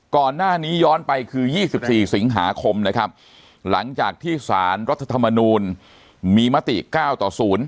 ก่อนหน้านี้ย้อนไปคือ๒๔สิงหาคมนะครับหลังจากที่สารรัฐธรรมนูลมีมติ๙ต่อ๐